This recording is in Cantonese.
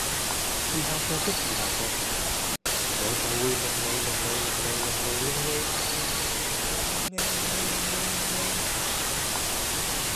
試吓唱出以下歌詞：我就會令你令你令您令您，令妳令妳令你令你，擰你擰你擰你擰你！